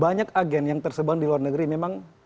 banyak agen yang tersebar di luar negeri memang